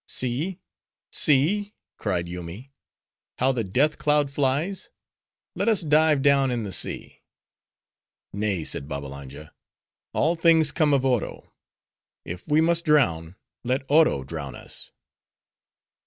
"See, see," cried Yoomy, "how the Death cloud flies! Let us dive down in the sea." "Nay," said Babbalanja. "All things come of Oro; if we must drown, let Oro drown us."